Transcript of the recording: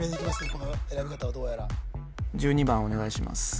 この選び方はどうやら１２番お願いします